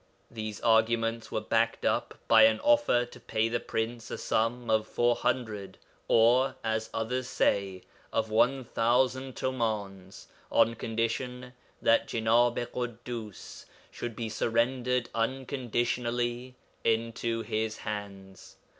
These arguments were backed up by an offer to pay the Prince a sum of 400 (or, as others say, of 1000) tumāns on condition that Jenāb i Ḳuddus should be surrendered unconditionally into his hands.